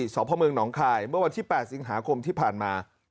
สพหนองคายเมื่อวันที่๘ติศาคมที่ผ่านมา